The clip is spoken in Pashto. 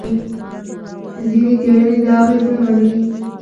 ځینې څېړنې دا اغېز نه مني.